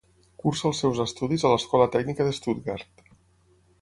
Cursa els seus estudis a l'Escola Tècnica de Stuttgart.